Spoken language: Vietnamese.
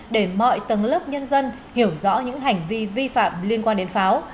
để mọi tầng lớp nhân dân hiểu rõ những hành vi vi phạm liên quan đến pháo